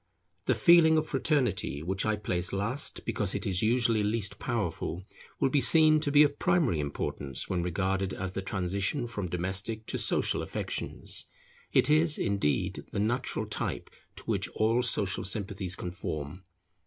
The feeling of fraternity, which I place last, because it is usually least powerful, will be seen to be of primary importance when regarded as the transition from domestic to social affections; it is, indeed, the natural type to which all social sympathies conform.